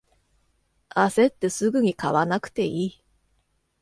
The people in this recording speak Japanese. あせってすぐに買わなくていい